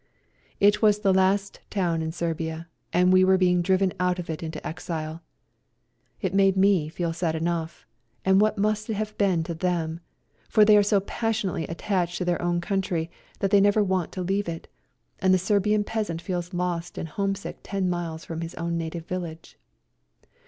It was the last town in Serbia, and we were being driven out of it into exile. It made me feel sad enough, and what must it have been to them, for they are so passionately attached to their own country that they never 114 GOOD BYE TO SERBIA want to leave it, and the Serbian peasant feels lost and homesick ten miles from his own native village.